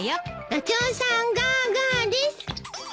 ガチョウさんガーガーです。